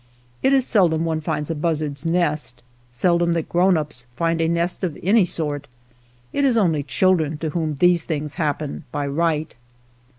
It is seldom one finds a buzzard's nest, seldom that grown ups find a nest of any sort ; it is only children to whom these things hap pen by right.